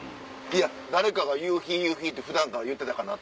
いや誰かが夕日夕日って普段から言ってたかな？